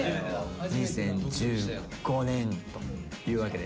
２０１５年というわけで。